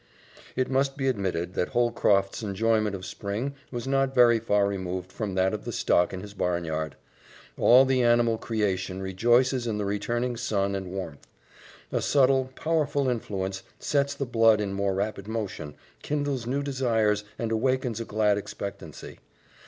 It must be admitted that Holcroft's enjoyment of spring was not very far removed from that of the stock in his barnyard. All the animal creation rejoices in the returning sun and warmth. A subtle, powerful influence sets the blood in more rapid motion, kindles new desires, and awakens a glad expectancy.